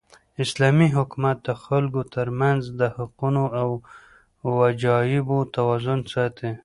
اسلامي حکومت د خلکو تر منځ د حقونو او وجایبو توازن ساتي.